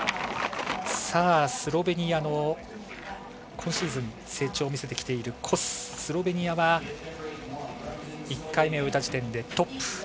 スロベニアの今シーズン成長を見せてきているコス、スロベニアは１回目終えた時点でトップ。